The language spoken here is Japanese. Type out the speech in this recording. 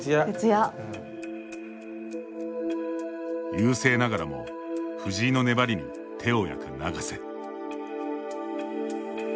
優勢ながらも藤井の粘りに手を焼く永瀬。